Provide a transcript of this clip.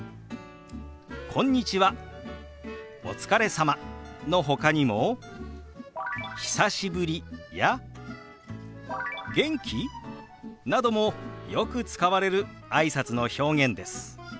「こんにちは」「お疲れ様」のほかにも「久しぶり」や「元気？」などもよく使われるあいさつの表現です。